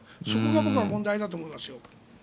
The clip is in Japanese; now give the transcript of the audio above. そこが僕は問題だと思いますよ。